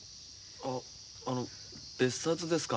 ああの別冊ですか？